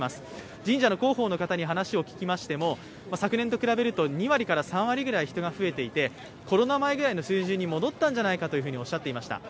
神社の広報の方に話を聞きましても昨年と比べると２３割ぐらい人が増えていてコロナ前ぐらいの水準に戻ったんじゃないかとおっしゃっていました。